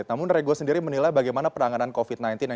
namun rego sendiri menilai bagaimana penanganan covid sembilan belas